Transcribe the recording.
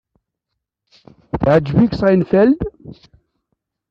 Teɛjeb-ik Seinfeld?